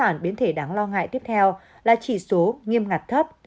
ở tốt bản biến thể đáng lo ngại tiếp theo là chỉ số nghiêm ngặt thấp